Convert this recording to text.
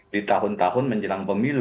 di tahun tahun menjelang pemilu